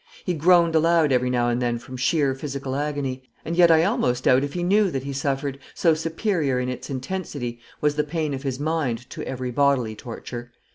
He groaned aloud every now and then from sheer physical agony; and yet I almost doubt if he knew that he suffered, so superior in its intensity was the pain of his mind to every bodily torture.